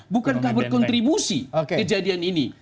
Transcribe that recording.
bukankah berkontribusi kejadian ini